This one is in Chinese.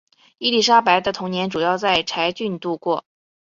伊丽莎白的童年主要在柴郡度过。